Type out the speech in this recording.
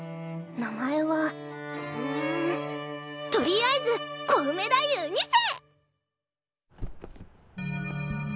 名前はうんとりあえずコウメ太夫Ⅱ世！